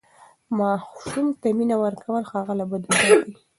ماسوم ته مینه ورکول هغه له بدیو ساتي.